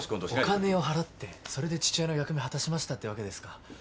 お金を払ってそれで父親の役目果たしましたってわけですか。